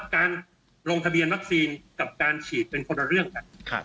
การลงทะเบียนวัคซีนกับการฉีดเป็นคนละเรื่องกัน